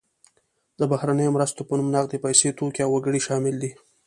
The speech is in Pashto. د بهرنیو مرستو په نوم نغدې پیسې، توکي او وګړي شامل دي.